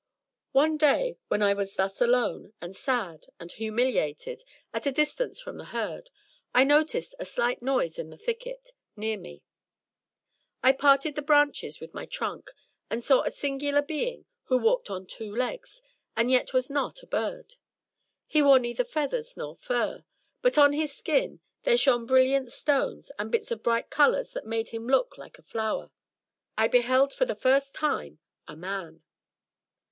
One day when I was thus alone, and sad, and humiliated, at a distance from the Herd, I noticed a slight noise in the thicket, near me. I parted the branches with my trunk, and saw a singular being, who walked on two legs — and yet was not a bird. He wore neither feathers nor fur; but on his skin there shone brilliant stones, and bits of bright colours that made him look like a flower! / beheld for the first time a Man.